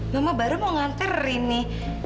mama baru mau nganter ini